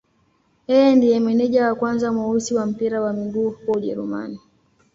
Yeye ndiye meneja wa kwanza mweusi wa mpira wa miguu huko Ujerumani.